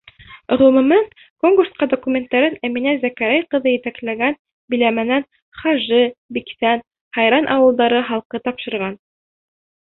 Ғөмүмән, конкурсҡа документтарын Әминә Зәкәрәй ҡыҙы етәкләгән биләмәнән Хажы, Биксән, Һайран ауылдары халҡы тапшырған.